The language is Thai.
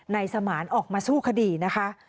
สมานออกมาสู้คดีนะคะ